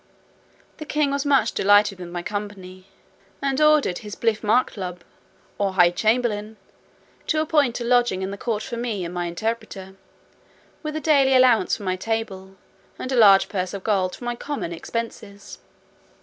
The king was much delighted with my company, and ordered his bliffmarklub, or high chamberlain, to appoint a lodging in the court for me and my interpreter; with a daily allowance for my table, and a large purse of gold for my common expenses.